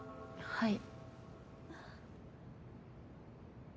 はい。